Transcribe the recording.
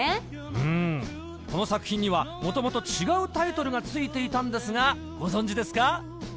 うんこの作品には元々違うタイトルがついていたんですがご存じですか？